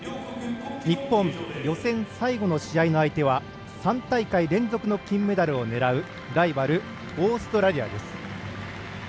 日本、予選最後の試合の相手は３大会連続の金メダルを狙うライバル、オーストラリアです。